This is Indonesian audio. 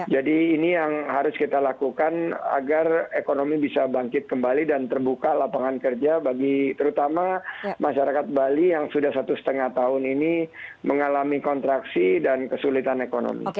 jadi ini yang harus kita lakukan agar ekonomi bisa bangkit kembali dan terbuka lapangan kerja bagi terutama masyarakat bali yang sudah satu setengah tahun ini mengalami kontraksi dan kesulitan ekonomi